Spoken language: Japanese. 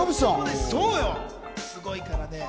すごいからね。